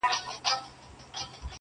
o دا ئې اختر د چا کره ولاړ سو٫